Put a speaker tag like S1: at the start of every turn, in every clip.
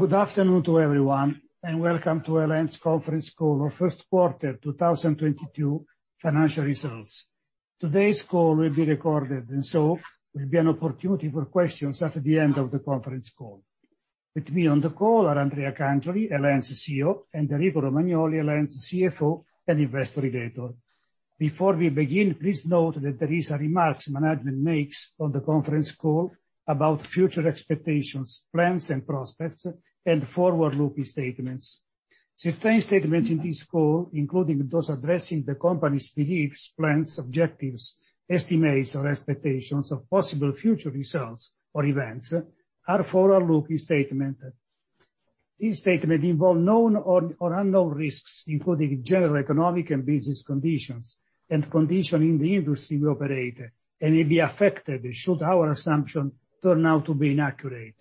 S1: Well, good afternoon to everyone, and welcome to El.En.'s conference call for Q1 2022 financial results. Today's call will be recorded, and there will be an opportunity for questions at the end of the conference call. With me on the call are Andrea Cangioli, El.En.'s CEO, and Enrico Romagnoli, El.En.'s CFO and Investor Relations. Before we begin, please note that there are remarks that management makes on the conference call about future expectations, plans and prospects and forward-looking statements. Certain statements in this call, including those addressing the company's beliefs, plans, objectives, estimates or expectations of possible future results or events are forward-looking statements. These statements involve known or unknown risks, including general economic and business conditions and conditions in the industry we operate, and may be affected should our assumptions turn out to be inaccurate.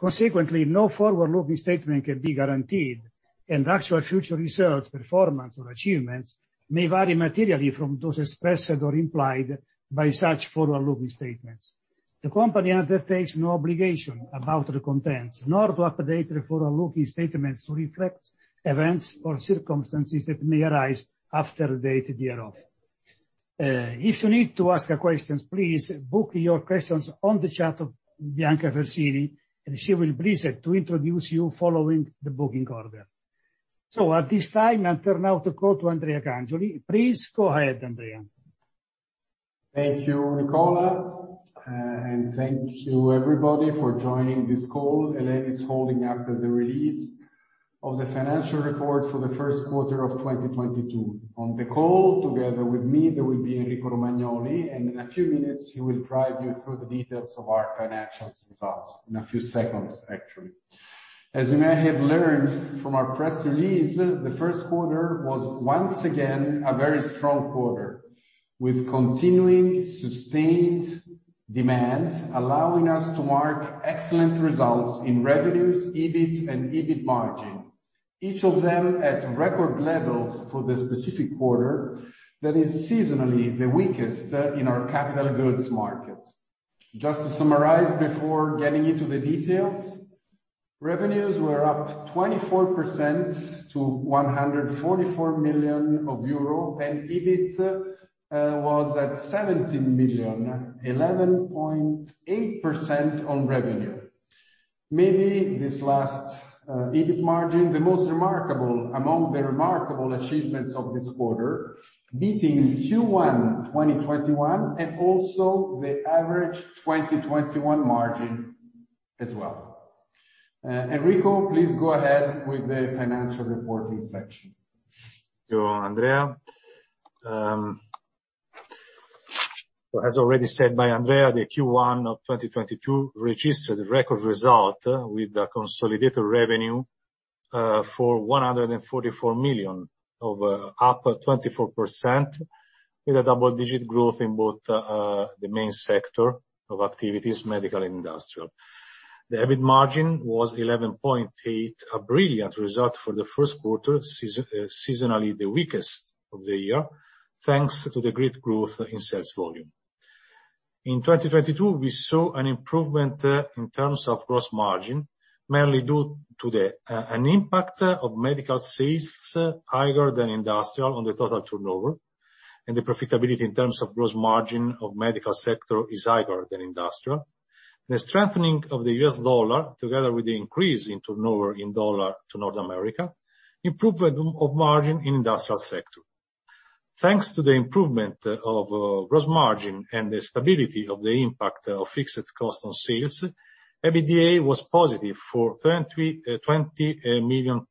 S1: Consequently, no forward-looking statement can be guaranteed, and actual future results, performance or achievements may vary materially from those expressed or implied by such forward-looking statements. The company undertakes no obligation about the contents, nor to update the forward-looking statements to reflect events or circumstances that may arise after the date hereof. If you need to ask a question, please book your questions on the chat of Bianca Fersini Mastelloni, and she will be pleased to introduce you following the booking order. At this time, I turn now the call to Andrea Cangioli. Please go ahead, Andrea.
S2: Thank you, Nicola. Thank you everybody for joining this call El.En. is holding after the release of the financial report for the first quarter of 2022. On the call, together with me, there will be Enrico Romagnoli, and in a few minutes, he will drive you through the details of our financial results. In a few seconds, actually. As you may have learned from our press release, the first quarter was once again a very strong quarter, with continuing sustained demand, allowing us to mark excellent results in revenues, EBIT and EBIT margin, each of them at record levels for the specific quarter that is seasonally the weakest in our capital goods market. Just to summarize, before getting into the details, revenues were up 24% to 144 million euro, and EBIT was at 17 million, 11.8% on revenue. Maybe this last EBIT margin, the most remarkable among the remarkable achievements of this quarter, beating Q1 2021 and also the average 2021 margin as well. Enrico, please go ahead with the financial reporting section.
S3: Thank you, Andrea. As already said by Andrea, the Q1 of 2022 registered record result with a consolidated revenue of EUR 144 million, up 24% with double-digit growth in both the main sector of activities, medical and industrial. The EBIT margin was 11.8%, a brilliant result for the first quarter, seasonally the weakest of the year, thanks to the great growth in sales volume. In 2022, we saw an improvement in terms of gross margin, mainly due to an impact of medical sales higher than industrial on the total turnover, and the profitability in terms of gross margin of medical sector is higher than industrial. The strengthening of the U.S. dollar, together with the increase in turnover in dollars to North America, improvement of margin in industrial sector. Thanks to the improvement of gross margin and the stability of the impact of fixed cost on sales, EBITDA was positive for 20.1 million,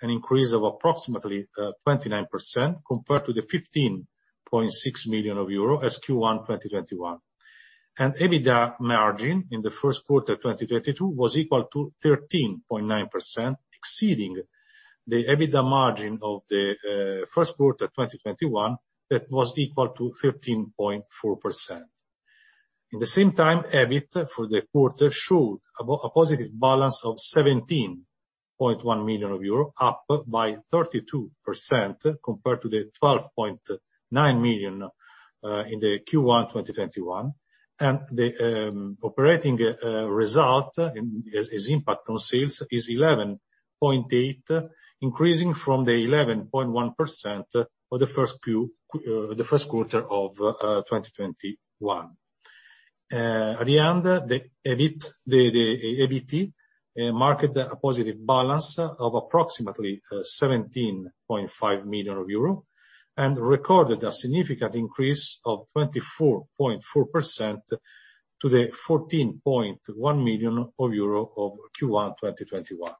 S3: an increase of approximately 29% compared to the 15.6 million euro in Q1 2021. EBITDA margin in the first quarter 2022 was equal to 13.9%, exceeding the EBITDA margin of the first quarter 2021 that was equal to 13.4%. In the same time, EBIT for the quarter showed a positive balance of 17.1 million euro, up by 32% compared to the 12.9 million in the Q1 2021. The operating result impact on sales is 11.8%, increasing from the 11.1% for the first quarter of 2021. At the end, the EBIT, the EBT marked a positive balance of approximately 17.5 million euro and recorded a significant increase of 24.4% from the 14.1 million euro of Q1 2021.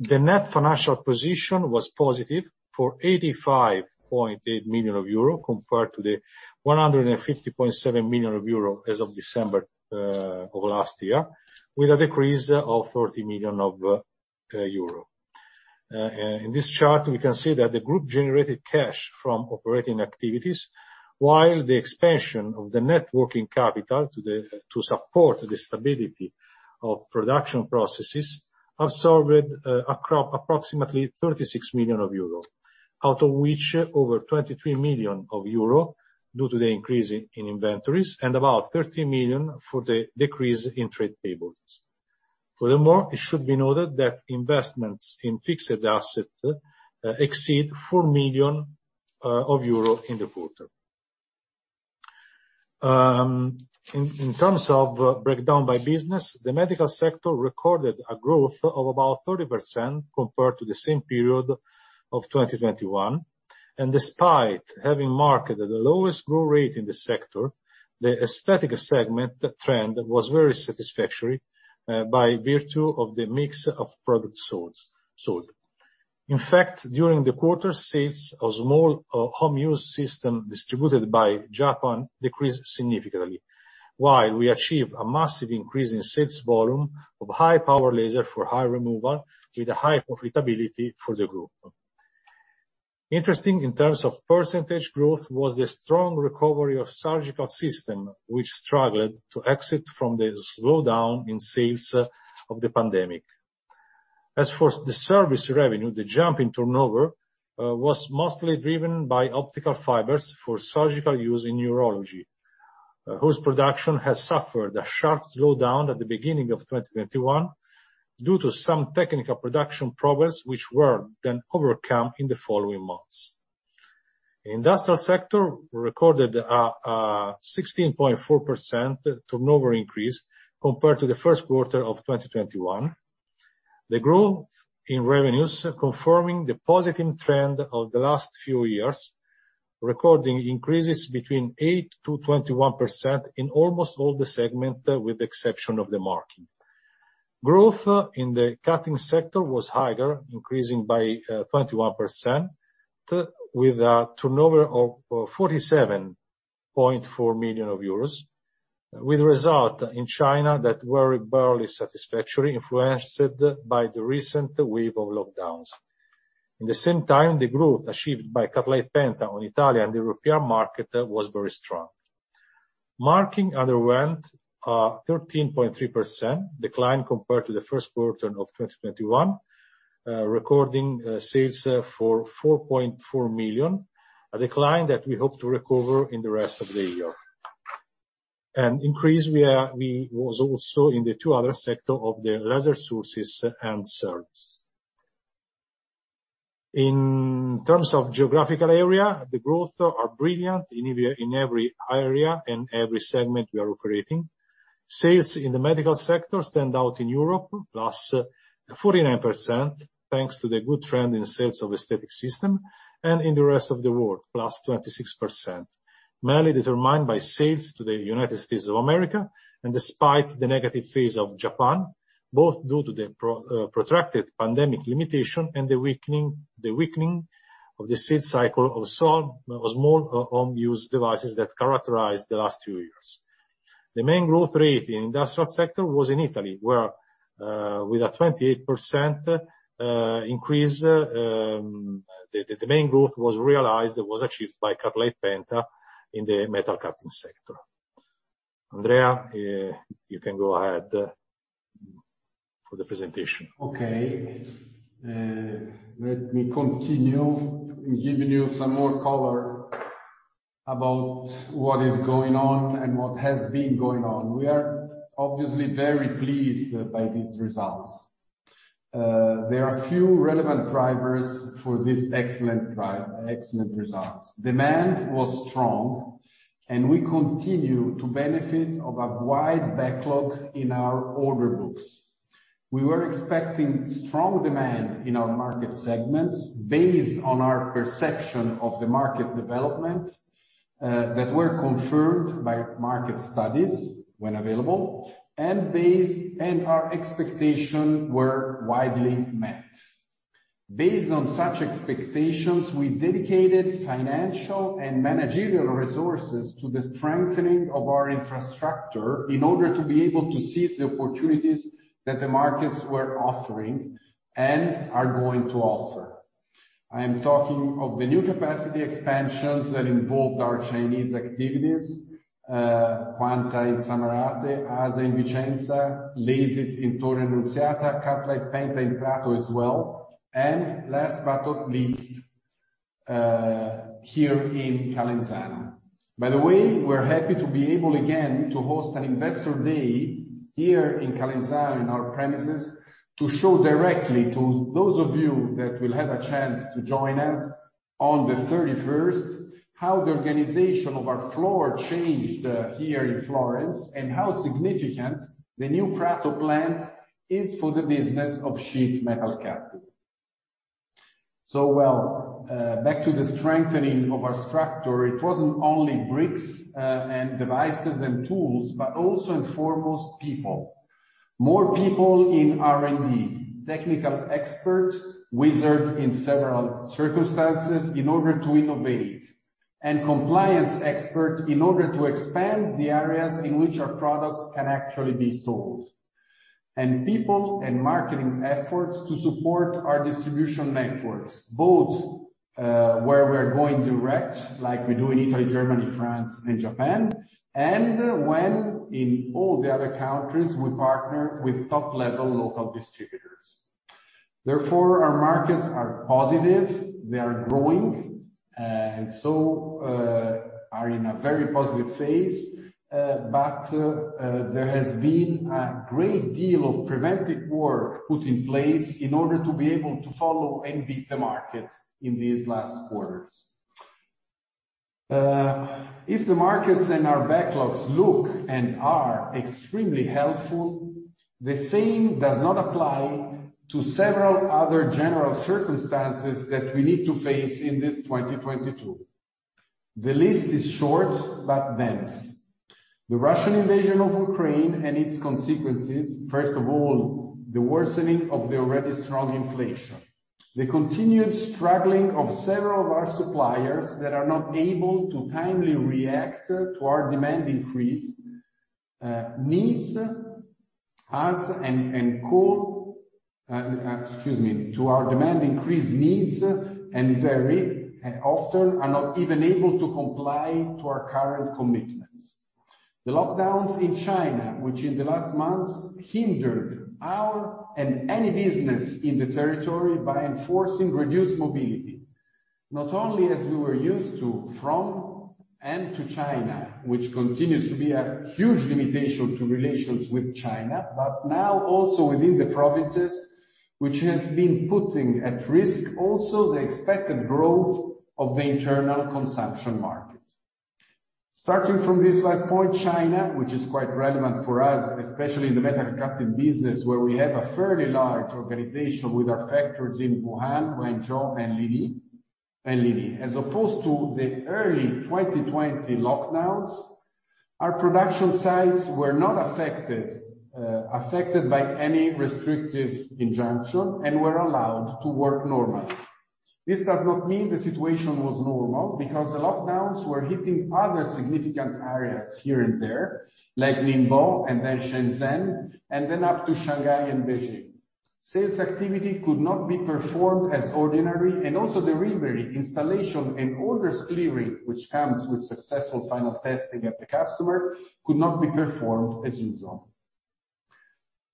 S3: The net financial position was positive for 85.8 million euro compared to the 150.7 million euro as of December of last year, with a decrease of 30 million euro. In this chart, we can see that the group generated cash from operating activities while the expansion of the net working capital to support the stability of production processes absorbed approximately 36 million euro, out of which over 23 million euro due to the increase in inventories, and about 13 million for the decrease in trade payables. Furthermore, it should be noted that investments in fixed asset exceed 4 million euro in the quarter. In terms of breakdown by business, the medical sector recorded a growth of about 30% compared to the same period of 2021. Despite having the lowest growth rate in the sector, the aesthetic segment trend was very satisfactory by virtue of the mix of products sold. In fact, during the quarter, sales of small, home use system distributed by Japan decreased significantly. While we achieved a massive increase in sales volume of high power laser for hair removal, with a high profitability for the group. Interesting in terms of percentage growth was the strong recovery of surgical system, which struggled to exit from the slowdown in sales of the pandemic. As for the service revenue, the jump in turnover was mostly driven by optical fibers for surgical use in urology, whose production has suffered a sharp slowdown at the beginning of 2021 due to some technical production problems which were then overcome in the following months. Industrial sector recorded a 16.4% turnover increase compared to the first quarter of 2021. The growth in revenues, confirming the positive trend of the last few years, recording increases between 8%-21% in almost all the segments, with the exception of the marking. Growth in the cutting sector was higher, increasing by 21% with a turnover of 47.4 million euros, with results in China that were barely satisfactory, influenced by the recent wave of lockdowns. At the same time, the growth achieved by Cutlite Penta on Italian and European markets was very strong. Marking underwent a 13.3% decline compared to the first quarter of 2021, recording sales for 4.4 million, a decline that we hope to recover in the rest of the year. An increase was also in the two other sectors of the laser sources and services. In terms of geographical area, the growth are brilliant in every area and every segment we are operating. Sales in the medical sector stand out in Europe, +49%, thanks to the good trend in sales of aesthetic system and in the rest of the world, +26%. Mainly determined by sales to the United States of America, and despite the negative phase of Japan, both due to the protracted pandemic limitation and the weakening of the sales cycle of small home use devices that characterized the last two years. The main growth rate in industrial sector was in Italy, where with a 28% increase, the main growth was achieved by Cutlite Penta in the metal cutting sector. Andrea, you can go ahead for the presentation.
S2: Okay. Let me continue in giving you some more color about what is going on and what has been going on. We are obviously very pleased by these results. There are few relevant drivers for this excellent results. Demand was strong, and we continue to benefit of a wide backlog in our order books. We were expecting strong demand in our market segments based on our perception of the market development, that were confirmed by market studies when available, and our expectation were widely met. Based on such expectations, we dedicated financial and managerial resources to the strengthening of our infrastructure in order to be able to seize the opportunities that the markets were offering and are going to offer. I am talking of the new capacity expansions that involved our Chinese activities, Quanta in Samarate, ASA in Vicenza, Lasit in Torre Annunziata, Cutlite Penta in Prato as well, and last but not least, here in Calenzano. By the way, we're happy to be able again to host an investor day here in Calenzano, in our premises, to show directly to those of you that will have a chance to join us on the 31st, how the organization of our floor changed, here in Florence, and how significant the new Prato plant is for the business of sheet metal cutting. Well, back to the strengthening of our structure. It wasn't only bricks, and devices and tools, but also and foremost, people. More people in R&D, technical expert, wizard in several circumstances in order to innovate, and compliance expert in order to expand the areas in which our products can actually be sold. People and marketing efforts to support our distribution networks, both where we're going direct, like we do in Italy, Germany, France, and Japan, and when in all the other countries we partner with top-level local distributors. Therefore our markets are positive, they are growing, and so are in a very positive phase. There has been a great deal of preventive work put in place in order to be able to follow and beat the market in these last quarters. If the markets and our backlogs look and are extremely helpful, the same does not apply to several other general circumstances that we need to face in this 2022. The list is short but dense. The Russian invasion of Ukraine and its consequences, first of all, the worsening of the already strong inflation. The continued struggling of several of our suppliers that are not able to timely react to our demand increase needs and very often are not even able to comply to our current commitments. The lockdowns in China, which in the last months hindered our and any business in the territory by enforcing reduced mobility, not only as we were used to from and to China, which continues to be a huge limitation to relations with China, but now also within the provinces, which has been putting at risk also the expected growth of the internal consumption market. Starting from this last point, China, which is quite relevant for us, especially in the metal cutting business, where we have a fairly large organization with our factories in Wuhan, Guangzhou, and Linyi. As opposed to the early 2020 lockdowns, our production sites were not affected by any restrictive injunction and were allowed to work normally. This does not mean the situation was normal, because the lockdowns were hitting other significant areas here and there, like Ningbo and then Shenzhen, and then up to Shanghai and Beijing. Sales activity could not be performed as ordinary, and also delivery, installation, and orders clearing, which comes with successful final testing at the customer, could not be performed as usual.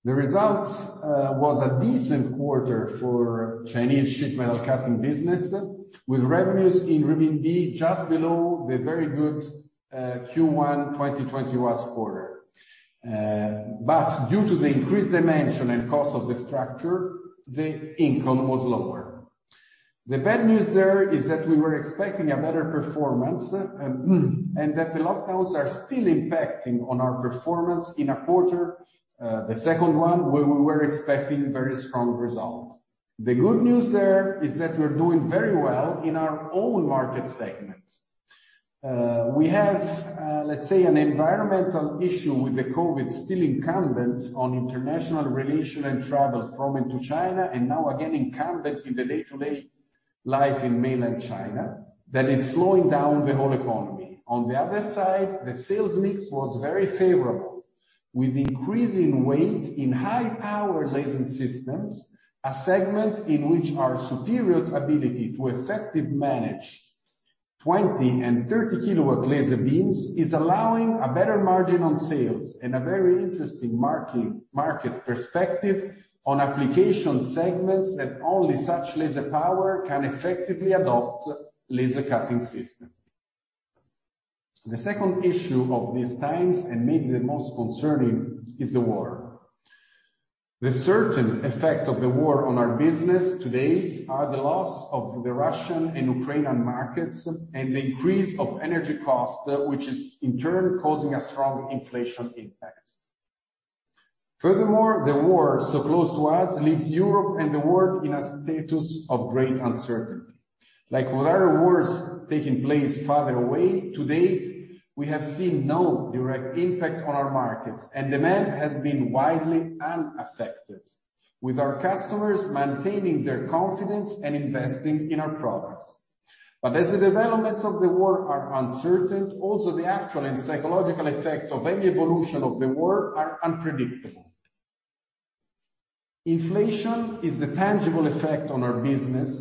S2: The result was a decent quarter for Chinese sheet metal cutting business, with revenues in renminbi just below the very good Q1 2021 quarter. Due to the increased dimension and cost of the structure, the income was lower. The bad news there is that we were expecting a better performance, and that the lockdowns are still impacting on our performance in a quarter, the second one, where we were expecting very strong results. The good news there is that we're doing very well in our own market segment. We have, let's say, an environmental issue with the COVID still impinging on international relations and travel from and to China, and now again impinging on the day-to-day life in mainland China, that is slowing down the whole economy. On the other side, the sales mix was very favorable, with increasing weight in high power laser systems, a segment in which our superior ability to effectively manage 20 and 30-kW laser beams is allowing a better margin on sales and a very interesting market perspective on application segments that only such laser power can effectively address laser cutting system. The second issue of these times, and maybe the most concerning, is the war. The certain effects of the war on our business to date are the loss of the Russian and Ukrainian markets and the increase of energy cost, which is in turn causing a strong inflation impact. Furthermore, the war so close to us leaves Europe and the world in a status of great uncertainty. Like with other wars taking place farther away, to date, we have seen no direct impact on our markets, and demand has been widely unaffected, with our customers maintaining their confidence and investing in our products. As the developments of the war are uncertain, also the actual and psychological effect of any evolution of the war are unpredictable. Inflation is the tangible effect on our business,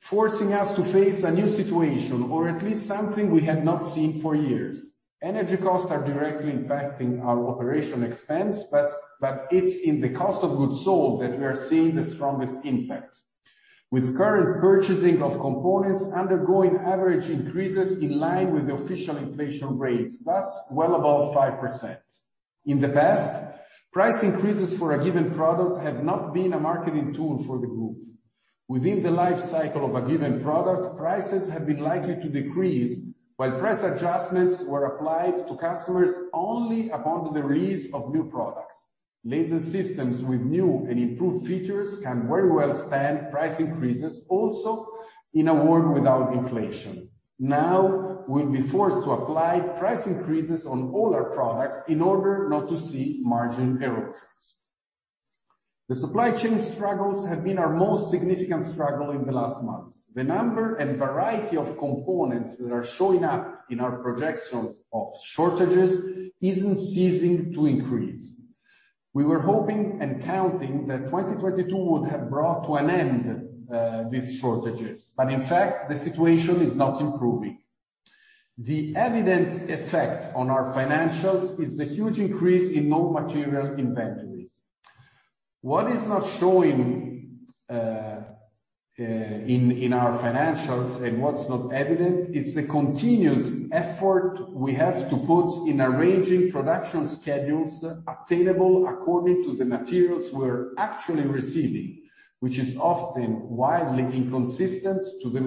S2: forcing us to face a new situation, or at least something we had not seen for years. Energy costs are directly impacting our operational expense, but it's in the cost of goods sold that we are seeing the strongest impact, with current purchasing of components undergoing average increases in line with the official inflation rates, thus well above 5%. In the past, price increases for a given product have not been a marketing tool for the group. Within the life cycle of a given product, prices have been likely to decrease while price adjustments were applied to customers only upon the release of new products. Laser systems with new and improved features can very well stand price increases also in a world without inflation. Now, we'll be forced to apply price increases on all our products in order not to see margin erosions. The supply chain struggles have been our most significant struggle in the last months. The number and variety of components that are showing up in our projection of shortages isn't ceasing to increase. We were hoping and counting that 2022 would have brought to an end these shortages, but in fact, the situation is not improving. The evident effect on our financials is the huge increase in raw material inventories. What is not showing in our financials and what's not evident, it's the continuous effort we have to put in arranging production schedules attainable according to the materials we're actually receiving, which is often wildly inconsistent to the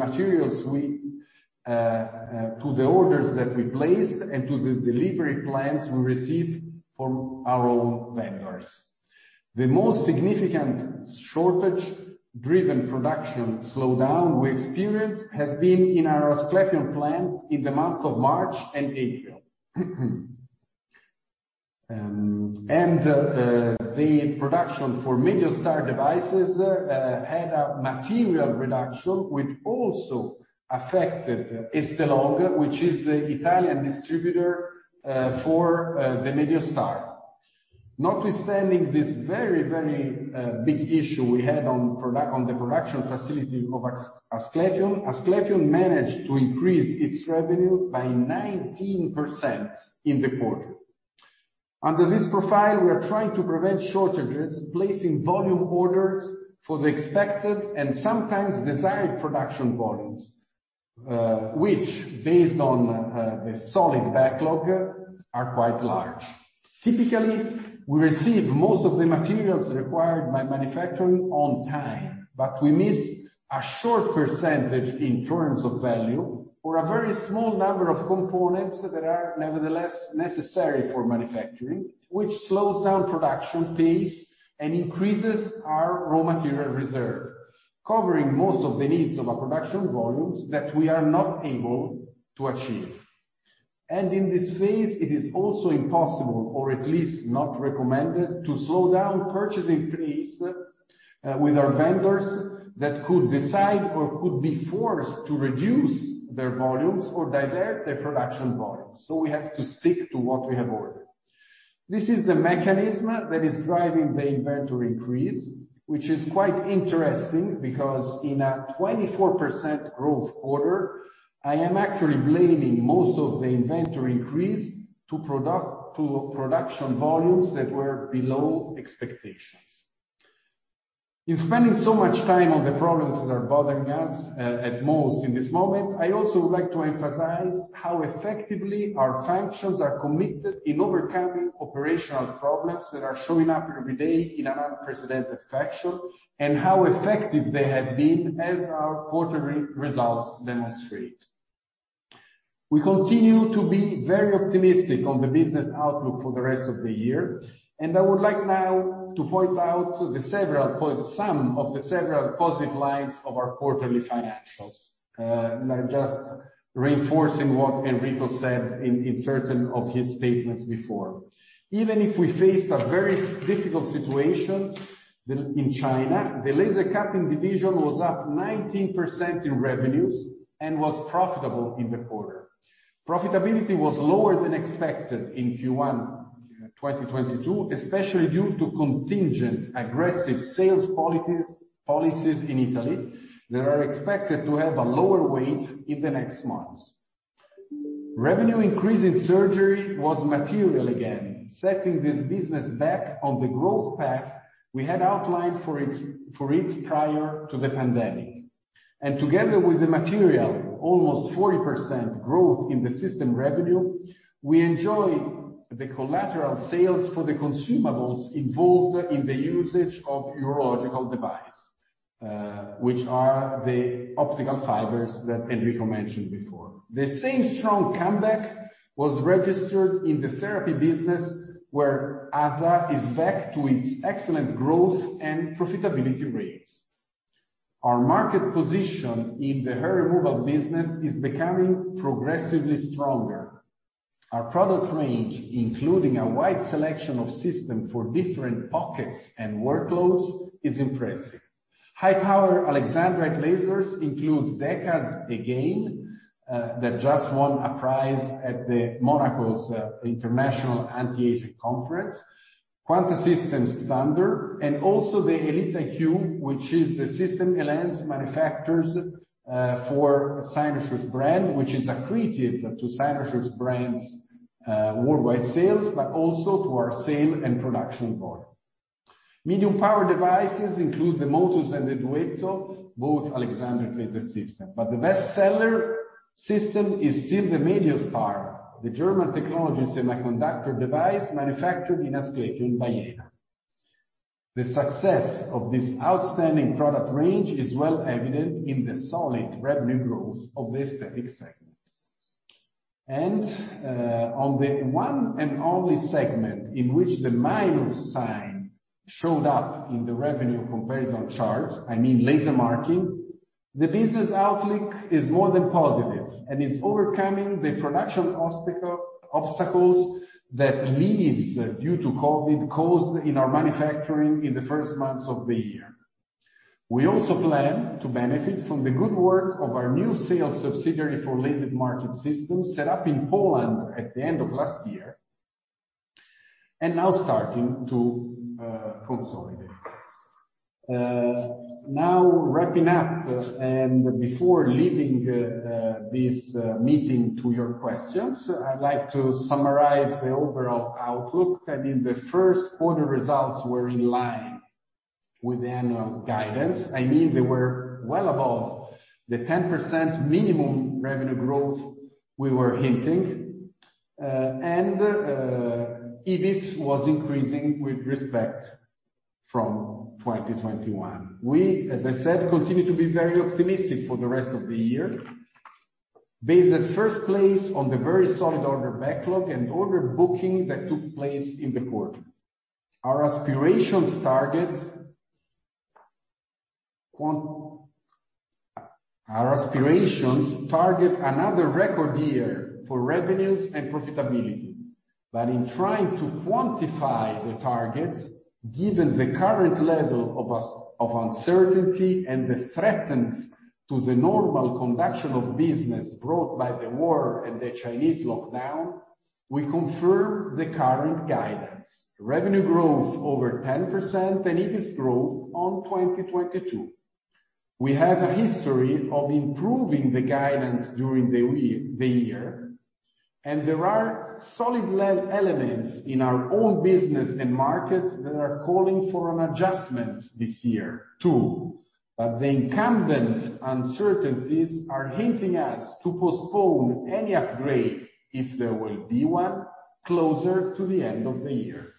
S2: orders that we placed and to the delivery plans we receive from our own vendors. The most significant shortage-driven production slowdown we experienced has been in our Asclepion plant in the months of March and April. The production for MeDioStar devices had a material reduction which also affected Esthelogue, which is the Italian distributor for the MelaStar. Notwithstanding this very big issue we had on the production facility of Asclepion managed to increase its revenue by 19% in the quarter. Under this profile, we are trying to prevent shortages, placing volume orders for the expected and sometimes desired production volumes, which based on the solid backlog are quite large. Typically, we receive most of the materials required by manufacturing on time, but we miss a short percentage in terms of value for a very small number of components that are nevertheless necessary for manufacturing, which slows down production pace and increases our raw material reserve, covering most of the needs of our production volumes that we are not able to achieve. In this phase, it is also impossible, or at least not recommended, to slow down purchasing pace with our vendors that could decide or could be forced to reduce their volumes or divert their production volumes. We have to stick to what we have ordered. This is the mechanism that is driving the inventory increase, which is quite interesting because in a 24% growth order, I am actually blaming most of the inventory increase to product, to production volumes that were below expectations. In spending so much time on the problems that are bothering us at the moment, I also would like to emphasize how effectively our functions are committed in overcoming operational problems that are showing up every day in an unprecedented fashion, and how effective they have been as our quarterly results demonstrate. We continue to be very optimistic on the business outlook for the rest of the year, and I would like now to point out some of the several positive lines of our quarterly financials. I'm just reinforcing what Enrico said in certain of his statements before. Even if we faced a very difficult situation in China, the laser cutting division was up 19% in revenues and was profitable in the quarter. Profitability was lower than expected in Q1 2022, especially due to contingent aggressive sales policies in Italy that are expected to have a lower weight in the next months. Revenue increase in surgery was material again, setting this business back on the growth path we had outlined for it prior to the pandemic. Together with the material, almost 40% growth in the system revenue, we enjoy the collateral sales for the consumables involved in the usage of urological device, which are the optical fibers that Enrico mentioned before. The same strong comeback was registered in the therapy business, where ASA is back to its excellent growth and profitability rates. Our market position in the hair removal business is becoming progressively stronger. Our product range, including a wide selection of systems for different pockets and workloads, is impressive. High power Alexandrite lasers include DEKA's Again, that just won a prize at Monaco's International Anti-Aging Conference, Quanta System's Thunder, and also the Elite+, which is the system El.En. manufactures for Cynosure's brand, which is accretive to Cynosure's brand worldwide sales, but also to our sales and production volume. Medium power devices include the Motus and the Duetto, both Alexandrite laser systems. The best seller system is still the MeDioStar, the German technology semiconductor device manufactured in Asclepion, Jena. The success of this outstanding product range is well evident in the solid revenue growth of the aesthetic segment. On the one and only segment in which the minus sign showed up in the revenue comparison chart, I mean laser marking, the business outlook is more than positive and is overcoming the production obstacles left due to COVID in our manufacturing in the first months of the year. We also plan to benefit from the good work of our new sales subsidiary for Laser Marking systems set up in Poland at the end of last year, and now starting to consolidate. Now wrapping up, before leaving this meeting to your questions, I'd like to summarize the overall outlook. I mean, the first quarter results were in line with the annual guidance. I mean, they were well above the 10% minimum revenue growth we were hinting. EBIT was increasing with respect to 2021. We, as I said, continue to be very optimistic for the rest of the year, based at first place on the very solid order backlog and order booking that took place in the quarter. Our aspirations target another record year for revenues and profitability. In trying to quantify the targets, given the current level of uncertainty and the threats to the normal conduct of business brought by the war and the Chinese lockdown, we confirm the current guidance. Revenue growth over 10% and EBIT growth over 2022. We have a history of improving the guidance during the year, and there are solid elements in our own business and markets that are calling for an adjustment this year, too. The imminent uncertainties are hinting us to postpone any upgrade if there will be one, closer to the end of the year.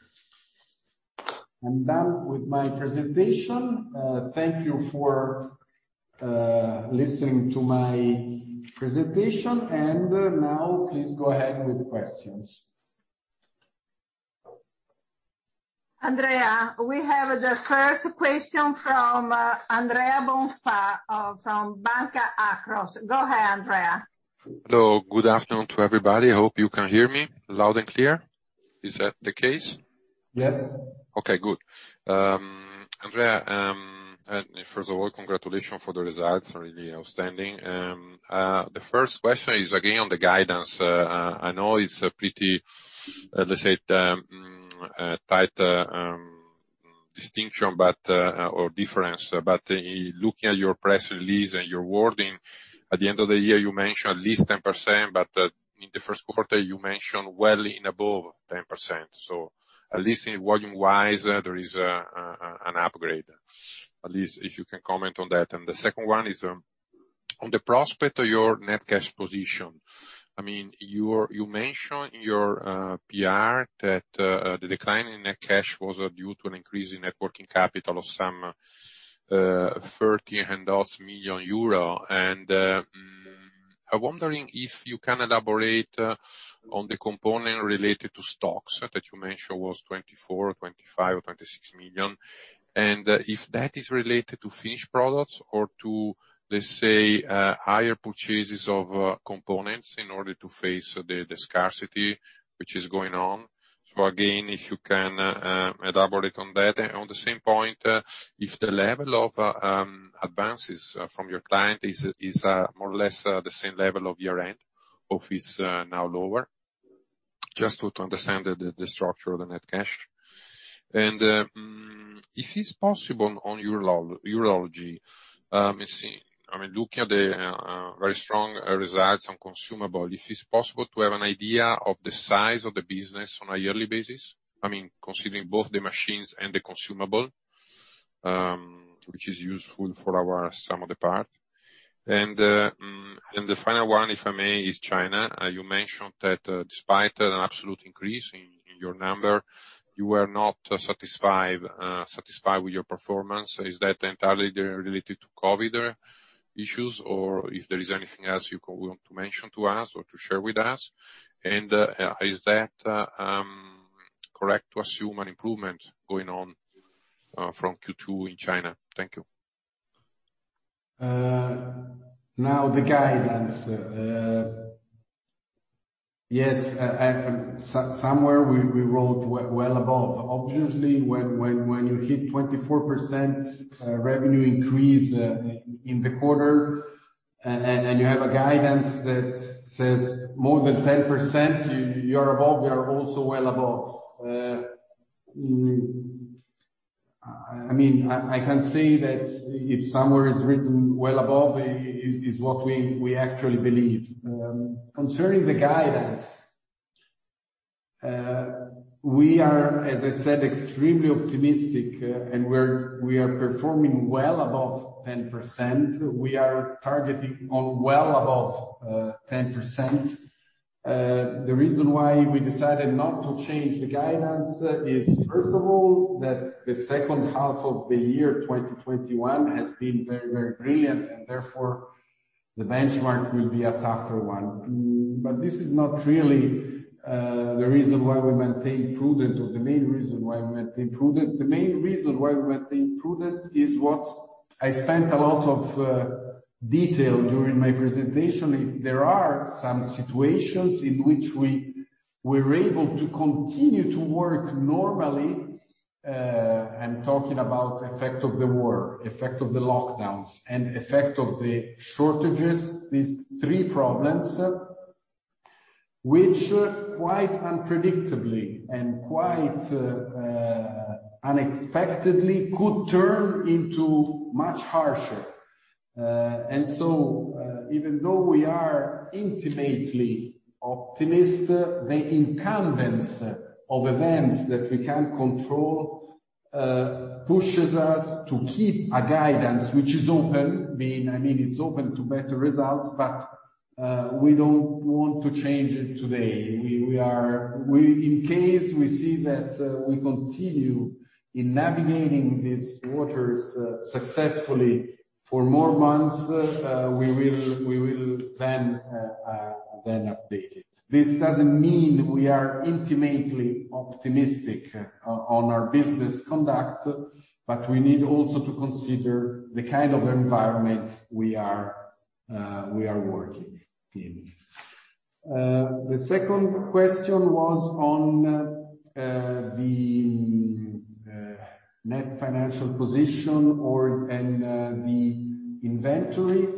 S2: I'm done with my presentation. Thank you for listening to my presentation, and now please go ahead with questions.
S4: Andrea, we have the first question from Andrea Bonfà from Banca Akros. Go ahead, Andrea.
S5: Hello. Good afternoon to everybody. Hope you can hear me loud and clear. Is that the case?
S2: Yes.
S5: Okay, good. Andrea, first of all, congratulations for the results. Really outstanding. The first question is again on the guidance. I know it's a pretty, let's say, tight distinction, but or difference. Looking at your press release and your wording, at the end of the year, you mentioned at least 10%, but in the first quarter, you mentioned well and above 10%. At least volume wise, there is an upgrade. At least if you can comment on that. The second one is on the prospects of your net cash position. I mean, you mentioned in your PR that the decline in net cash was due to an increase in net working capital of some 30 and odd million. I'm wondering if you can elaborate on the component related to stocks that you mentioned was 24, 25 or 26 million. If that is related to finished products or to, let's say, higher purchases of components in order to face the scarcity which is going on. Again, if you can elaborate on that. On the same point, if the level of advances from your client is more or less the same level of year-end. Or is now lower. Just to understand the structure of the net cash. If it's possible on urology, let's see. I mean, looking at the very strong results on consumable, if it's possible to have an idea of the size of the business on a yearly basis, I mean, considering both the machines and the consumable, which is useful for our sum of the part. The final one, if I may, is China. You mentioned that, despite an absolute increase in your number, you were not satisfied with your performance. Is that entirely related to COVID issues or if there is anything else you want to mention to us or to share with us? Is that correct to assume an improvement going on from Q2 in China? Thank you.
S2: Now the guidance. Yes, somewhere we wrote well above. Obviously, when you hit 24% revenue increase in the quarter and you have a guidance that says more than 10%, you're above, you're also well above. I mean, I can say that if somewhere is written well above is what we actually believe. Concerning the guidance, we are, as I said, extremely optimistic and we are performing well above 10%. We are targeting well above 10%. The reason why we decided not to change the guidance is, first of all, that the second half of the year 2021 has been very brilliant, and therefore the benchmark will be a tougher one. This is not really the reason why we maintain prudent, or the main reason why we maintain prudent. The main reason why we maintain prudent is what I spent a lot of detail during my presentation. There are some situations in which we're able to continue to work normally. I'm talking about effect of the war, effect of the lockdowns and effect of the shortages. These three problems, which quite unpredictably and unexpectedly could turn into much harsher. Even though we are intrinsically optimistic, the imminence of events that we can't control pushes us to keep a guidance which is open. I mean, it's open to better results, but we don't want to change it today. In case we see that we continue navigating these waters successfully for more months, we will then update it. This doesn't mean we are intimately optimistic on our business conduct, but we need also to consider the kind of environment we are working in. The second question was on the net financial position and the inventory.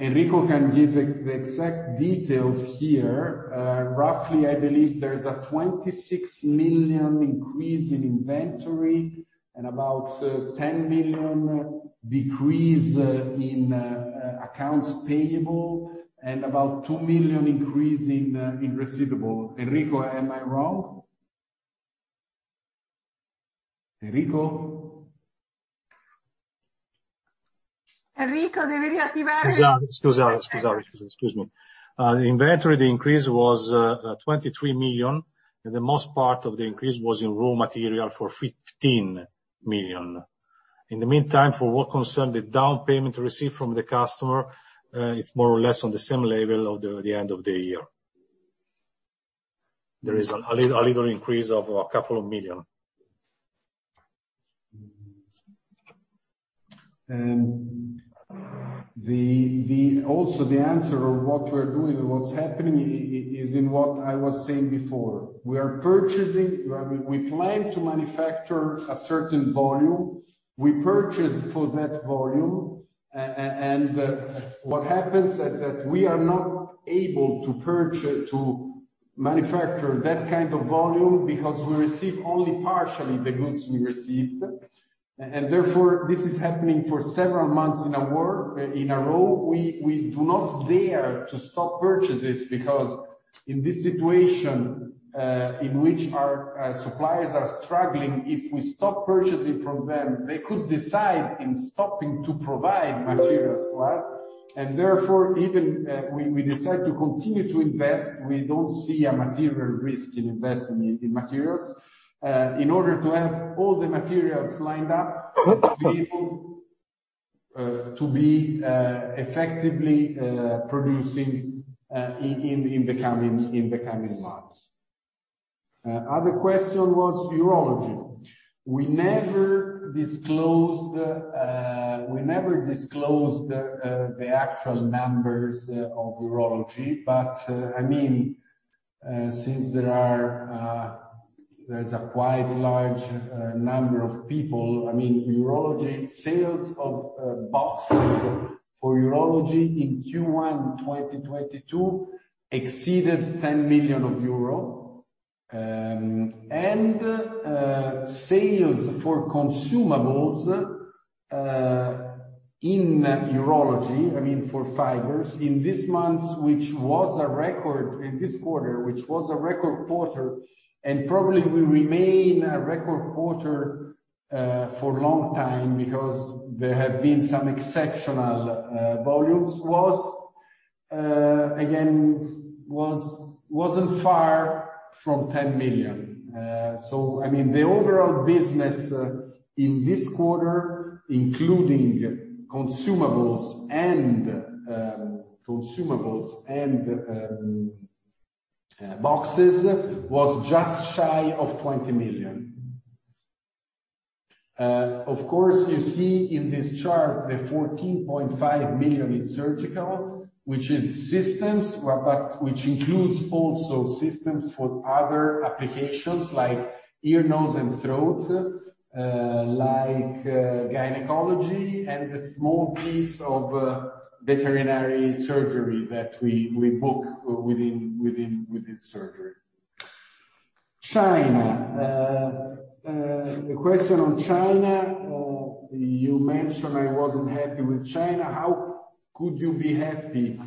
S2: Enrico can give the exact details here. Roughly, I believe, there is a 26 million increase in inventory and about 10 million decrease in accounts payable, and about 2 million increase in receivable. Enrico, am I wrong? Enrico?
S4: Enrico,
S3: Excuse me. The inventory, the increase was 23 million, and the most part of the increase was in raw material for 15 million. In the meantime, for what concerned the down payment received from the customer, it's more or less on the same level of the end of the year. There is a little increase of a couple of 2 million.
S2: The answer to what we're doing and what's happening is in what I was saying before. We are purchasing. I mean, we plan to manufacture a certain volume. We purchase for that volume. What happens is that we are not able to manufacture that kind of volume because we receive only partially the goods we order. Therefore, this is happening for several months in a row. We do not dare to stop purchases because in this situation, in which our suppliers are struggling, if we stop purchasing from them, they could decide to stop providing materials to us. Therefore, we even decide to continue to invest. We don't see a material risk in investing in materials in order to have all the materials lined up to be able to be effectively producing in the coming months. Other question was urology. We never disclosed the actual numbers of urology, but I mean, since there's a quite large number of people. I mean, urology sales of boxes for urology in Q1 2022 exceeded EUR 10 million. Sales for consumables in urology, I mean, for fibers in this quarter, which was a record quarter, and probably will remain a record quarter for long time because there have been some exceptional volumes, wasn't far from 10 million. I mean, the overall business in this quarter, including consumables and boxes, was just shy of 20 million. Of course, you see in this chart the 14.5 million in surgical, which is systems, but which includes also systems for other applications like ear, nose and throat, like gynecology and a small piece of veterinary surgery that we book within surgery. The question on China, you mentioned I wasn't happy with China. How could you be happy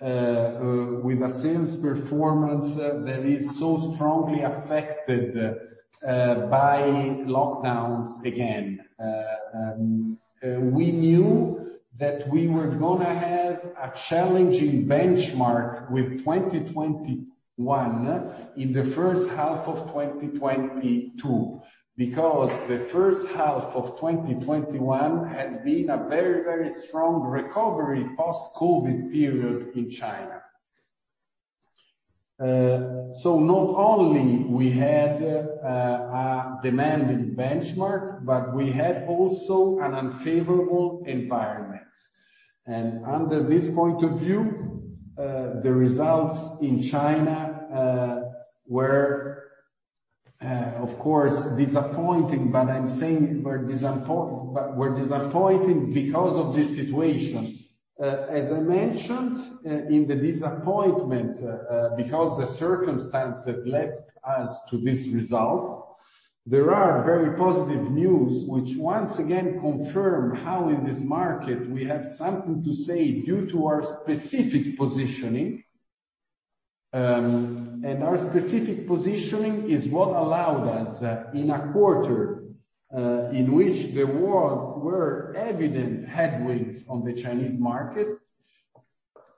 S2: with a sales performance that is so strongly affected by lockdowns again? We knew that we were gonna have a challenging benchmark with 2021 in the first half of 2022, because the first half of 2021 had been a very, very strong recovery post-COVID period in China. Not only we had a demanding benchmark, but we had also an unfavorable environment. Under this point of view, the results in China were, of course, disappointing, but I'm saying were disappointing because of this situation. As I mentioned, in the disappointment, because the circumstances led us to this result, there are very positive news which once again confirm how in this market we have something to say due to our specific positioning. Our specific positioning is what allowed us, in a quarter in which there were evident headwinds on the Chinese market,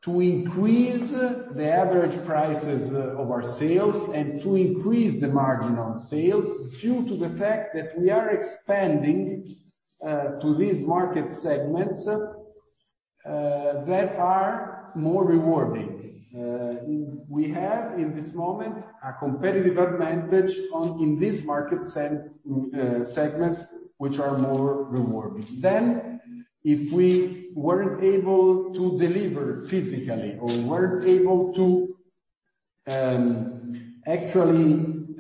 S2: to increase the average prices of our sales and to increase the margin on sales due to the fact that we are expanding to these market segments that are more rewarding. We have, in this moment, a competitive advantage in these market segments which are more rewarding. If we weren't able to deliver physically or weren't able to actually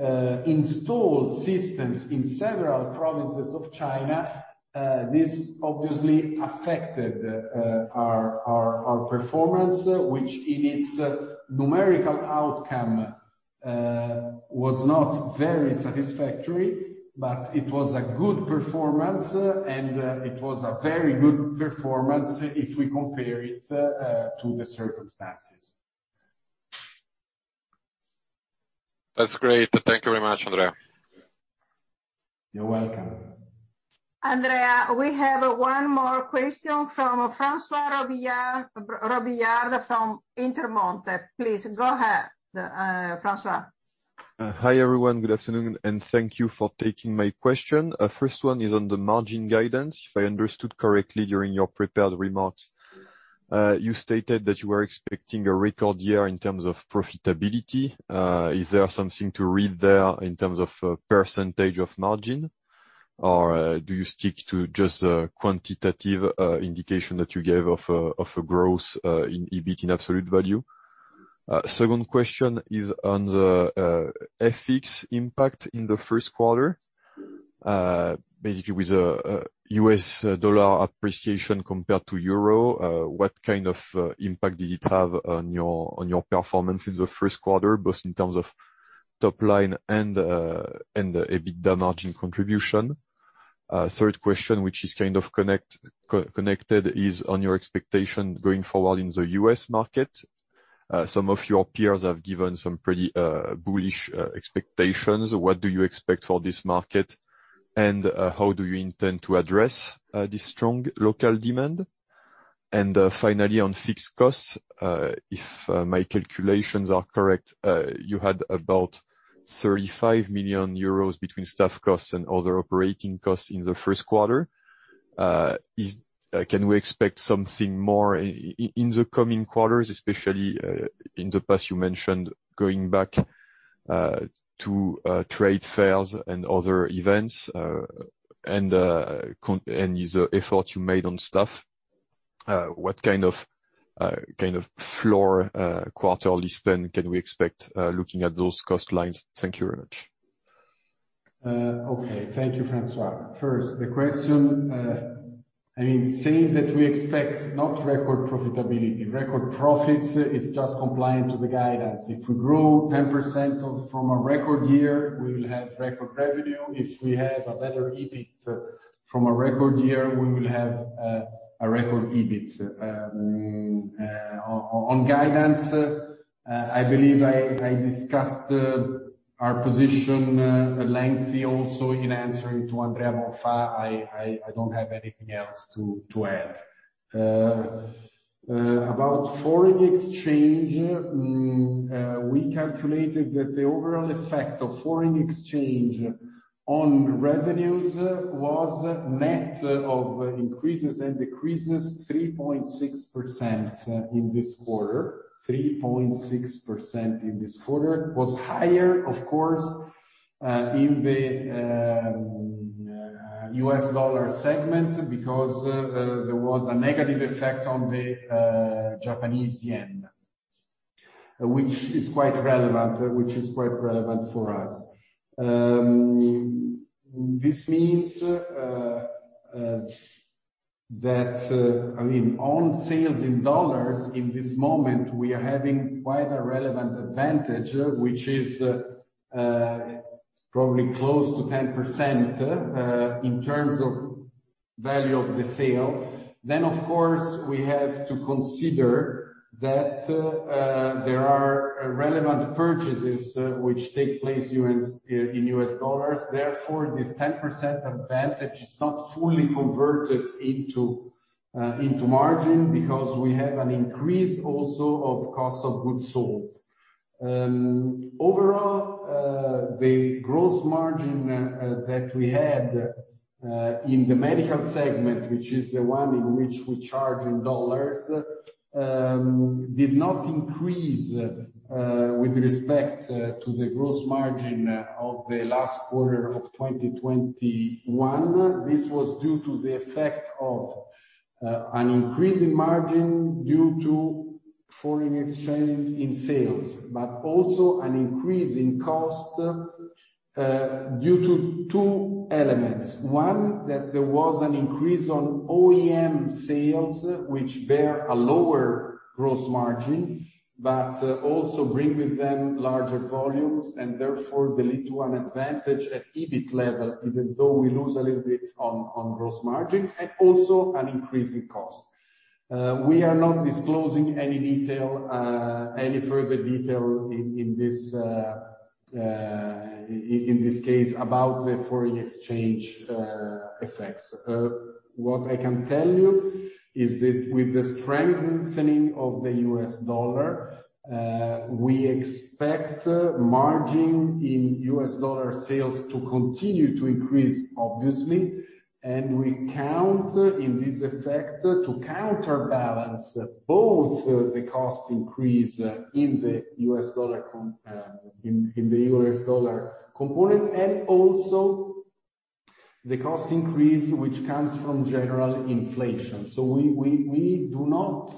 S2: install systems in several provinces of China, this obviously affected our performance, which in its numerical outcome was not very satisfactory, but it was a good performance, and it was a very good performance if we compare it to the circumstances.
S5: That's great. Thank you very much, Andrea.
S2: You're welcome.
S4: Andrea, we have one more question from François Robillard from Intermonte. Please go ahead, François.
S6: Hi, everyone. Good afternoon, and thank you for taking my question. First one is on the margin guidance. If I understood correctly during your prepared remarks, you stated that you were expecting a record year in terms of profitability. Is there something to read there in terms of percentage of margin, or do you stick to just the quantitative indication that you gave of a growth in EBIT in absolute value? Second question is on the FX impact in the first quarter. Basically with a U.S. dollar appreciation compared to euro, what kind of impact did it have on your performance in the first quarter, both in terms of top line and the EBITDA margin contribution? Third question, which is kind of connected, is on your expectation going forward in the U.S. market. Some of your peers have given some pretty bullish expectations. What do you expect for this market and how do you intend to address this strong local demand? Finally, on fixed costs, if my calculations are correct, you had about 35 million euros between staff costs and other operating costs in the first quarter. Can we expect something more in the coming quarters, especially, in the past, you mentioned going back to trade fairs and other events, and the effort you made on staff, what kind of floor quarterly spend can we expect looking at those cost lines? Thank you very much.
S2: Okay. Thank you, François. First, the question, I mean, saying that we expect not record profitability, record profits, is just compliant to the guidance. If we grow 10% from a record year, we will have record revenue. If we have a better EBIT from a record year, we will have a record EBIT. On guidance, I believe I discussed our position lengthy also in answering to Andrea Bonfà. I don't have anything else to add. About foreign exchange, we calculated that the overall effect of foreign exchange on revenues was net of increases and decreases 3.6% in this quarter. 3.6% in this quarter. Was higher, of course, in the U.S. dollar segment because there was a negative effect on the Japanese yen, which is quite relevant for us. This means that I mean, on sales in dollars in this moment we are having quite a relevant advantage, which is probably close to 10%, in terms of value of the sale. Then of course, we have to consider that there are relevant purchases which take place in the U.S. in U.S. dollars. Therefore, this 10% advantage is not fully converted into margin because we have an increase also of cost of goods sold. Overall, the gross margin that we had in the medical segment, which is the one in which we charge in U.S. dollars, did not increase with respect to the gross margin of the last quarter of 2021. This was due to the effect of an increase in margin due to foreign exchange in sales, but also an increase in cost due to two elements. One, that there was an increase on OEM sales, which bear a lower gross margin, but also bring with them larger volumes and therefore they lead to an advantage at EBIT level, even though we lose a little bit on gross margin and also an increase in cost. We are not disclosing any detail, any further detail in this case about the foreign exchange effects. What I can tell you is that with the strengthening of the U.S. dollar, we expect margin in U.S. dollar sales to continue to increase, obviously, and we count in this effect to counterbalance both the cost increase in the U.S. dollar component and also the cost increase which comes from general inflation. We do not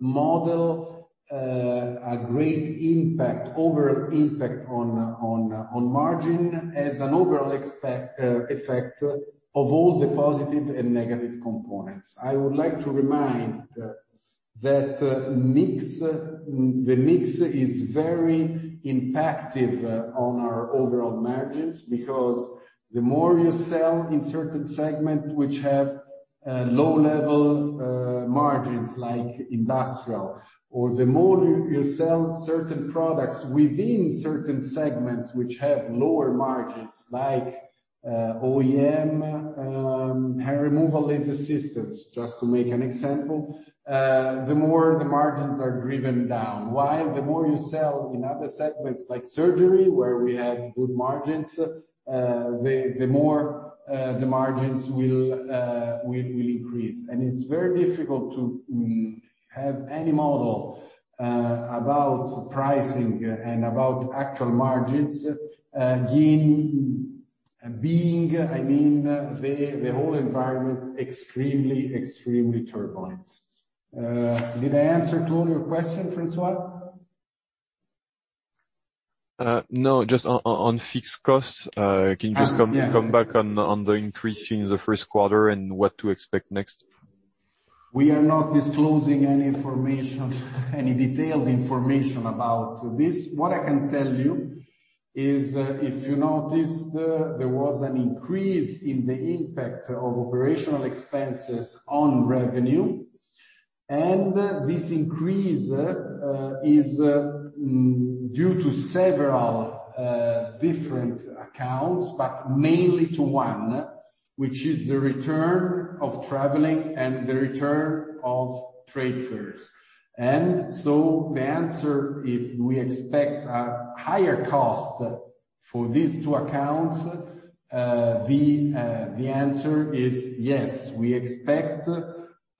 S2: model a great impact, overall impact on margin as an overall effect of all the positive and negative components. I would like to remind that the mix is very impactive on our overall margins because the more you sell in certain segment which have low level margins like industrial, or the more you sell certain products within certain segments which have lower margins like OEM hair removal laser systems, just to make an example, the more the margins are driven down. While the more you sell in other segments like surgery, where we have good margins, the more the margins will increase. It's very difficult to have any model about pricing and about actual margins, given, I mean, the whole environment extremely turbulent. Did I answer to all your question, François?
S6: No. Just on fixed costs.
S2: Yeah.
S6: Can you just come back on the increase in the first quarter and what to expect next?
S2: We are not disclosing any information, any detailed information about this. What I can tell you is, if you noticed, there was an increase in the impact of operational expenses on revenue. This increase is due to several different accounts, but mainly to one, which is the return of traveling and the return of trade fairs. The answer, if we expect a higher cost for these two accounts, the answer is yes. We expect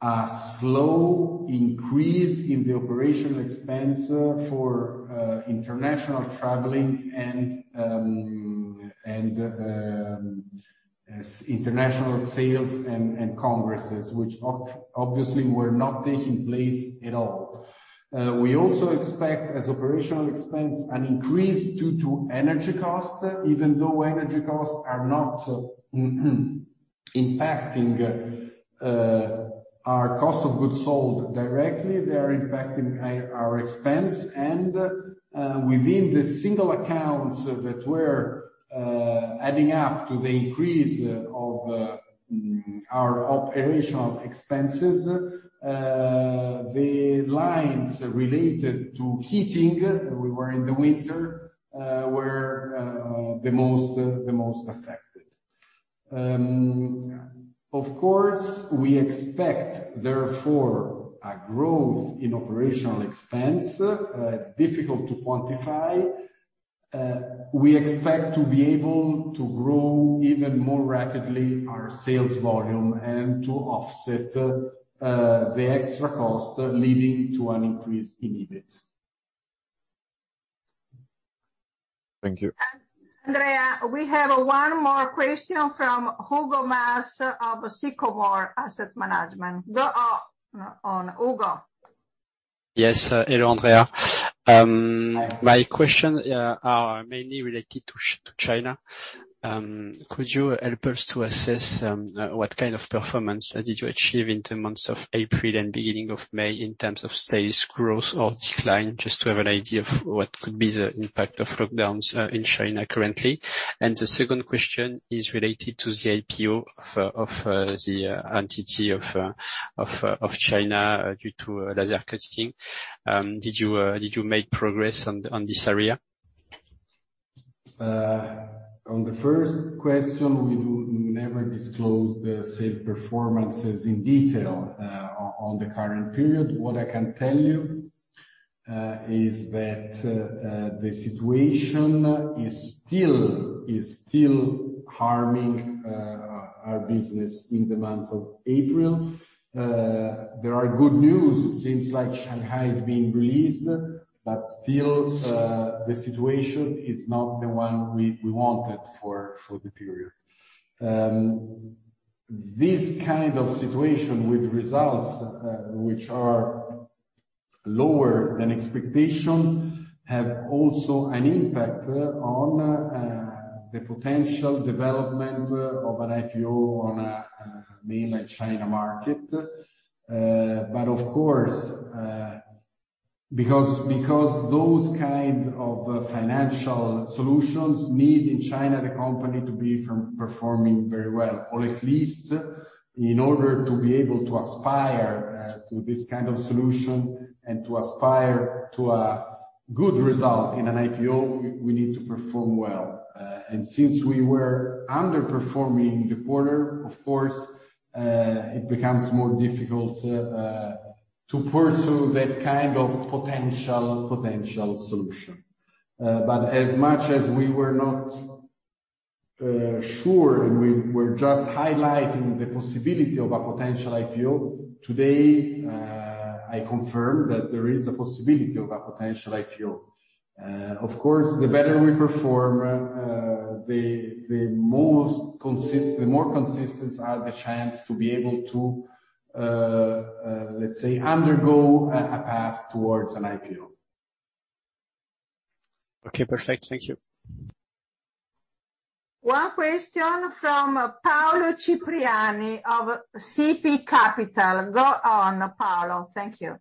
S2: a slow increase in the operational expense for international traveling and international sales and congresses, which obviously were not taking place at all. We also expect, as operational expense, an increase due to energy costs. Even though energy costs are not impacting our cost of goods sold directly, they are impacting our expense. Within the single accounts that were adding up to the increase of our operational expenses, the lines related to heating, we were in the winter, were the most affected. Of course, we expect, therefore, a growth in operational expense. Difficult to quantify. We expect to be able to grow even more rapidly our sales volume and to offset the extra cost, leading to an increase in EBIT.
S6: Thank you.
S4: Andrea, we have one more question from Hugo Mas of Sycomore Asset Management. Go on, Hugo.
S7: Yes. Hello, Andrea.
S2: Hi.
S7: My question are mainly related to China. Could you help us to assess what kind of performance did you achieve in the months of April and beginning of May in terms of sales growth or decline, just to have an idea of what could be the impact of lockdowns in China currently? The second question is related to the IPO of the China due to laser cutting. Did you make progress on this area?
S2: On the first question, we do never disclose the sales performances in detail, on the current period. What I can tell you is that the situation is still harming our business in the month of April. There are good news. It seems like Shanghai is being released, but still the situation is not the one we wanted for the period. This kind of situation with results which are lower than expectations have also an impact on the potential development of an IPO on mainland China market. Of course, because those kind of financial solutions need in China, the company to be performing very well, or at least in order to be able to aspire to this kind of solution and to aspire to a good result in an IPO, we need to perform well. Since we were underperforming in the quarter, of course, it becomes more difficult to pursue that kind of potential solution. As much as we were not sure, and we were just highlighting the possibility of a potential IPO, today I confirm that there is a possibility of a potential IPO. Of course, the better we perform, the more consistent are the chance to be able to, let's say, undergo a path towards an IPO.
S7: Okay, perfect. Thank you.
S4: One question from Paolo Cipriani of CP Capital. Go on, Paolo. Thank you.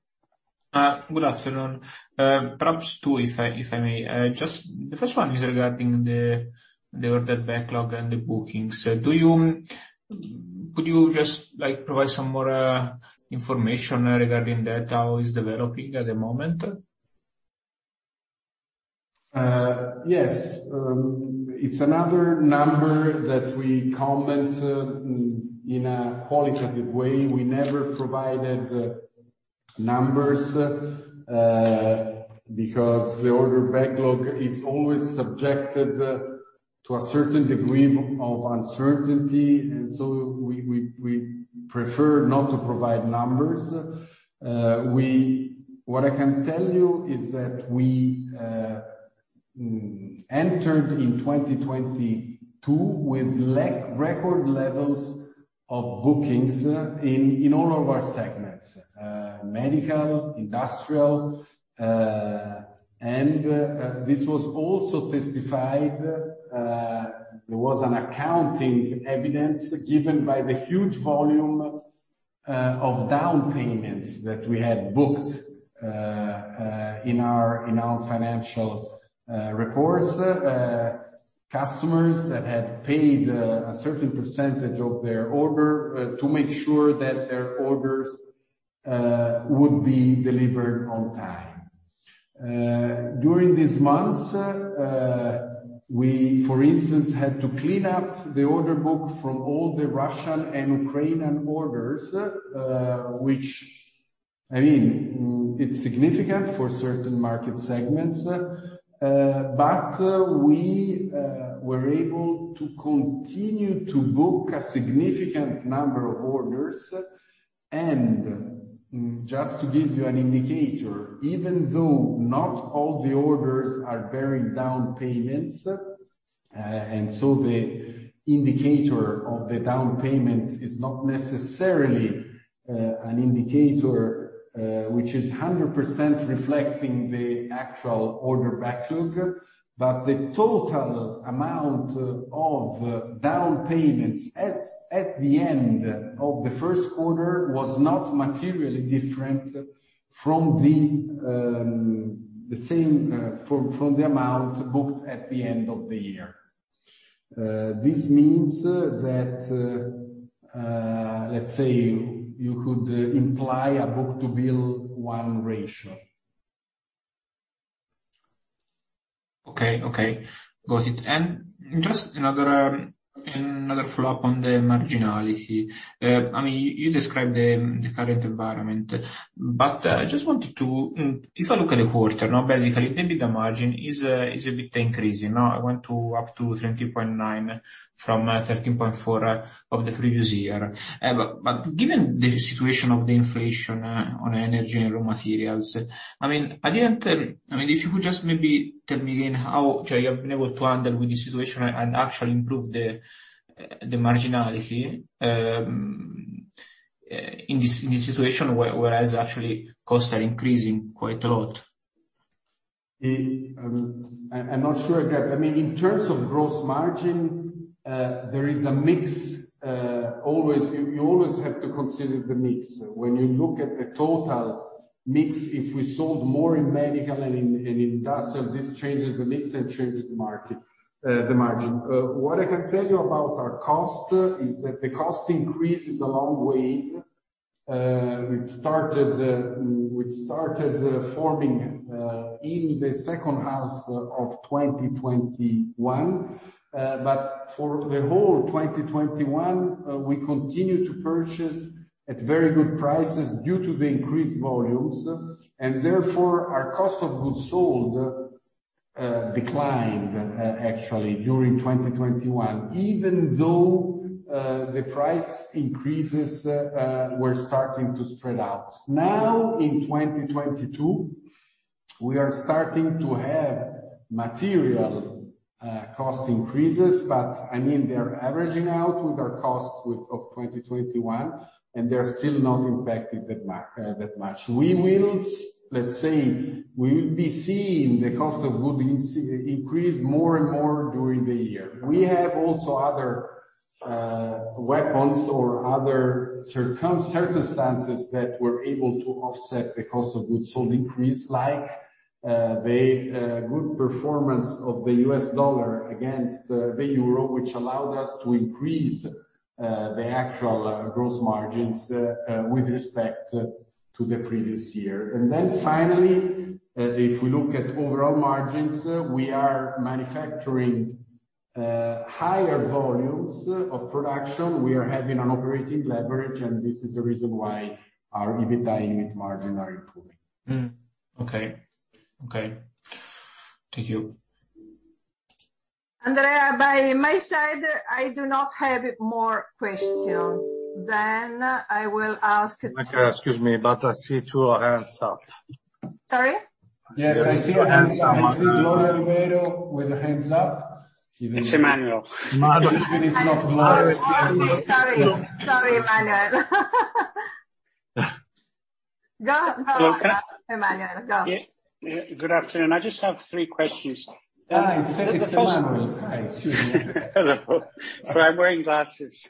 S8: Good afternoon. Perhaps two if I may. Just the first one is regarding the order backlog and the bookings. Could you just, like, provide some more information regarding that? How is developing at the moment?
S2: Yes. It's another number that we comment in a qualitative way. We never provided numbers because the order backlog is always subjected to a certain degree of uncertainty. We prefer not to provide numbers. What I can tell you is that we entered in 2022 with record levels of bookings in all of our segments. Medical, industrial, and this was also testified. There was an accounting evidence given by the huge volume of down payments that we had booked in our financial reports. Customers that had paid a certain percentage of their order to make sure that their orders would be delivered on time. During these months, we, for instance, had to clean up the order book from all the Russian and Ukrainian orders, which is significant for certain market segments. We were able to continue to book a significant number of orders. Just to give you an indicator, even though not all the orders are bearing down payments, the indicator of the down payment is not necessarily an indicator which is 100% reflecting the actual order backlog. The total amount of down payments at the end of the first quarter was not materially different from the same amount booked at the end of the year. This means that, let's say you could imply a book to bill one ratio.
S8: Okay. Got it. Just another follow-up on the marginality. I mean, you described the current environment, but if I look at the quarter now, basically, EBITDA margin is a bit increasing. Now it went up to 30.9% from 13.4% of the previous year. Given the situation of the inflation on energy and raw materials, I mean, if you could just maybe tell me again how you have been able to handle with this situation and actually improve the marginality in this situation whereas actually costs are increasing quite a lot.
S2: I'm not sure I get. I mean, in terms of gross margin, there is a mix. Always. You always have to consider the mix. When you look at the total mix, if we sold more in medical and industrial, this changes the mix and changes the margin. What I can tell you about our cost is that the cost increase is a long way. We started sourcing in the second half of 2021. For the whole 2021, we continued to purchase at very good prices due to the increased volumes, and therefore our cost of goods sold declined actually during 2021, even though the price increases were starting to spread out. Now in 2022 we are starting to have material cost increases, but I mean, they're averaging out with our costs of 2021, and they're still not impacting that much. We'll be seeing the cost of goods increase more and more during the year. We have also other circumstances that we're able to offset the cost of goods sold increase, like the good performance of the U.S. dollar against the euro, which allowed us to increase the actual gross margins with respect to the previous year. Finally, if we look at overall margins, we are manufacturing higher volumes of production. We are having an operating leverage, and this is the reason why our EBITDA unit margins are improving.
S8: Okay. Thank you.
S4: Andrea, by my side, I do not have more questions.
S2: Excuse me, but I see two hands up.
S4: Sorry?
S2: Yes, I see two hands up. I see Gloria Ribeiro with her hands up.
S9: It's Emmanuel.
S2: It is not Gloria.
S4: Sorry. Sorry, Emmanuel. Go, Emmanuel. Emmanuel, go.
S9: Good afternoon. I just have three questions.
S2: Hi, it's Emmanuel. Hi. Excuse me.
S9: Hello. Sorry, I'm wearing glasses.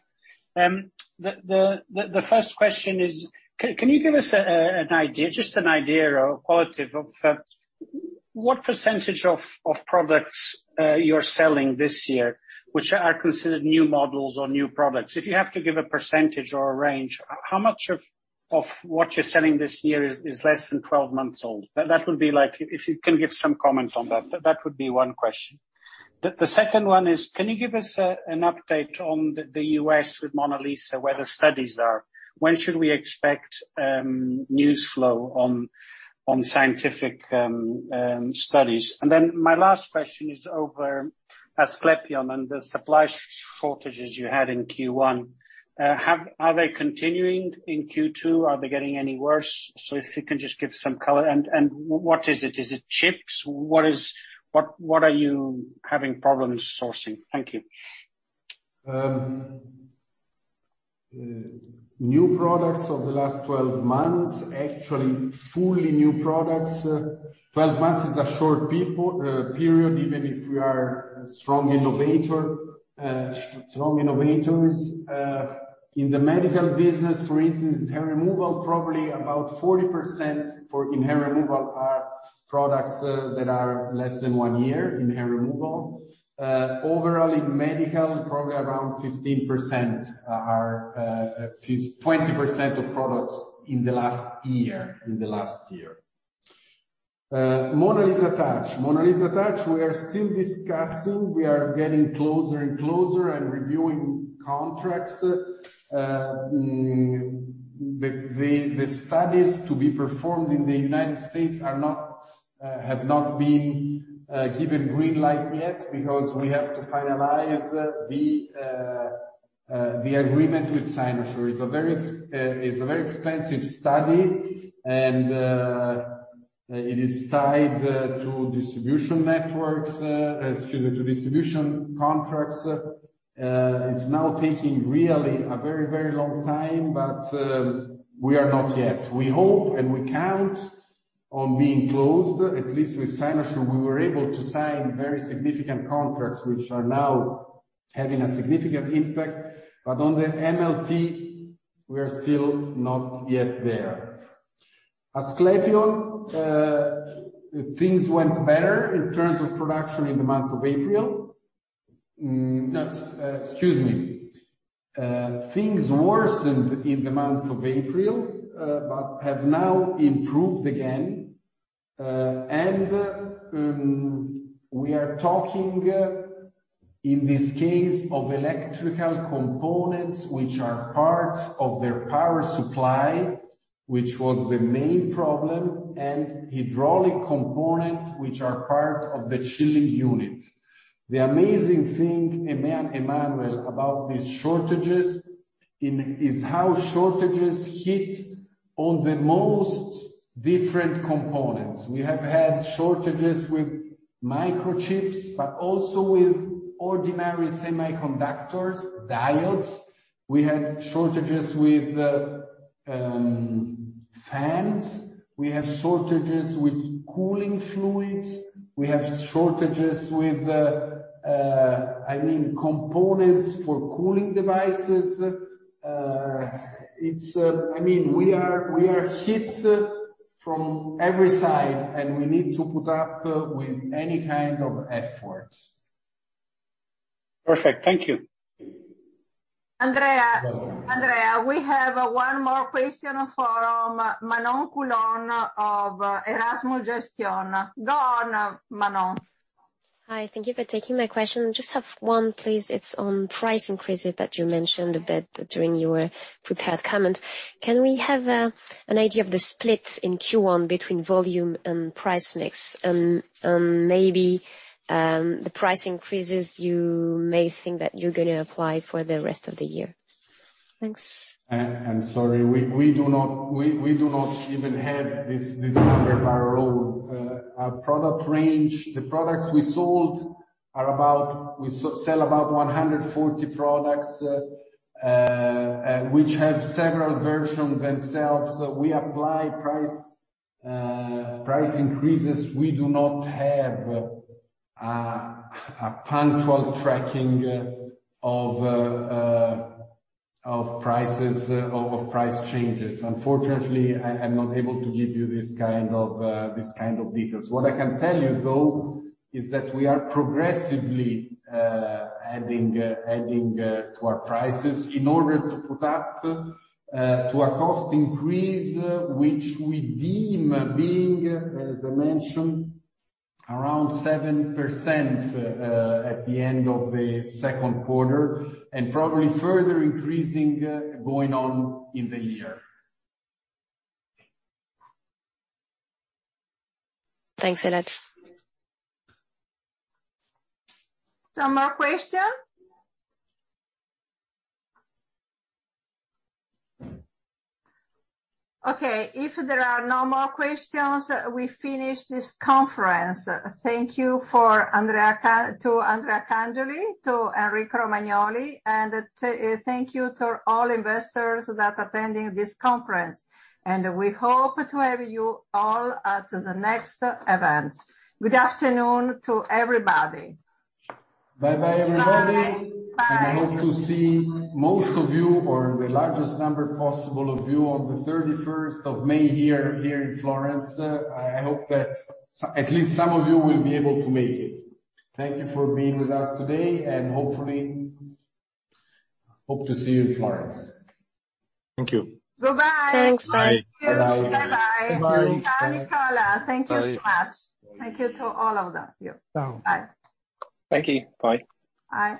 S9: The first question is, can you give us an idea, just an idea or a qualitative of what percentage of products you're selling this year, which are considered new models or new products? If you have to give a percentage or a range, how much of what you're selling this year is less than 12 months old? That would be like, if you can give some comment on that would be one question. The second one is, can you give us an update on the U.S. with MonaLisa, where the studies are? When should we expect news flow on scientific studies? My last question is over Asclepion and the supply shortages you had in Q1. Are they continuing in Q2? Are they getting any worse? If you can just give some color. What is it? Is it chips? What are you having problems sourcing? Thank you.
S2: New products of the last 12 months, actually fully new products. 12 months is a short period, even if we are strong innovators. In the medical business, for instance, hair removal, probably about 40% in hair removal are products that are less than one year in hair removal. Overall, in medical, probably around 15%-20% of products in the last year, in the last year. MonaLisa Touch. We are still discussing. We are getting closer and closer and reviewing contracts. The studies to be performed in the United States have not been given green light yet because we have to finalize the agreement with Cynosure. It's a very expensive study, and it is tied to distribution networks, excuse me, to distribution contracts. It's now taking really a very, very long time, but we are not yet. We hope and we count on being closed, at least with Cynosure, we were able to sign very significant contracts which are now having a significant impact. But on the MLT, we are still not yet there. Asclepion, things went better in terms of production in the month of April. Excuse me. Things worsened in the month of April, but have now improved again. We are talking in this case of electrical components which are part of their power supply, which was the main problem, and hydraulic component, which are part of the chilling unit. The amazing thing, Emmanuel, about these shortages is how shortages hit on the most different components. We have had shortages with microchips, but also with ordinary semiconductors, diodes. We have shortages with fans. We have shortages with cooling fluids. We have shortages with components for cooling devices. It's, I mean, we are hit from every side, and we need to put up with any kind of efforts.
S9: Perfect. Thank you.
S4: Andrea. Andrea, we have one more question from Manon Coulon of Erasmus Gestion. Go on, Manon.
S10: Hi. Thank you for taking my question. Just have one, please. It's on price increases that you mentioned a bit during your prepared comment. Can we have an idea of the split in Q1 between volume and price mix? Maybe the price increases you may think that you're gonna apply for the rest of the year? Thanks.
S2: I'm sorry. We do not even have this number by our own product range. We sell about 140 products, which have several versions themselves. We apply price increases. We do not have a punctual tracking of price changes. Unfortunately, I'm not able to give you this kind of details. What I can tell you, though, is that we are progressively adding to our prices in order to keep up with a cost increase which we deem to be, as I mentioned, around 7% at the end of the second quarter, and probably further increasing going on in the year.
S10: Thanks, for that.
S4: Any more questions? Okay, if there are no more questions, we finish this conference. Thank you to Andrea Cangioli, to Enrico Romagnoli, and thank you to all investors that attending this conference, and we hope to have you all at the next event. Good afternoon to everybody.
S2: Bye bye, everybody.
S4: Bye. Bye.
S2: I hope to see most of you or the largest number possible of you on the thirty-first of May here in Florence. I hope that at least some of you will be able to make it. Thank you for being with us today, and hopefully hope to see you in Florence.
S3: Thank you.
S4: Bye-bye.
S9: Thanks. Bye.
S3: Bye.
S2: Bye-bye.
S4: Bye-bye. Ciao, Nicola. Thank you so much.
S3: Bye.
S4: Thank you to all of us. Yeah. Bye.
S9: Thank you. Bye.
S4: Bye.